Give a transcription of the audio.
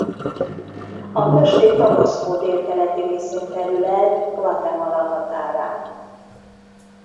A község Tabasco délkeleti részén terül el Guatemala határán.